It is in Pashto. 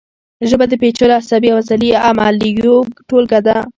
ژبه د پیچلو عصبي او عضلي عملیو ټولګه ده